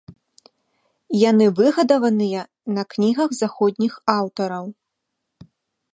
Яны выгадаваныя на кнігах заходніх аўтараў.